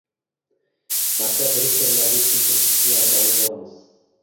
Maktab direktorlariga tushuntirish ishlarini olib boramiz.